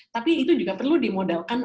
tapi itu juga perlu dimodalkan